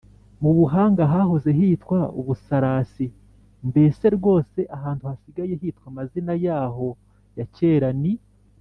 mu buhanga hahoze hitwa ubusarasi, mbese rwose ahantu hasigaye hitwa amazina yahoo ya cyera, ni